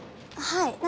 はい。